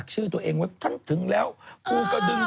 เต้นิวอะไรอย่างนี้เห็นไหมเต้นิว